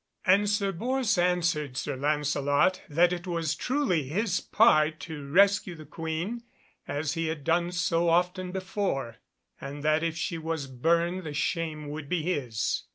And Sir Bors answered Sir Lancelot that it was truly his part to rescue the Queen, as he had done so often before, and that if she was burned the shame would be his.